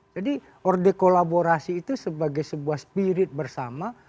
jadi orde kolaborasi itu sebagai sebuah spirit bersama